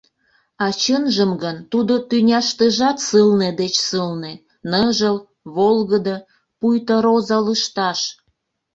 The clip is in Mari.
А чынжым гын тудо тӱняштыжат сылне деч сылне: ныжыл, волгыдо, пуйто роза лышташ.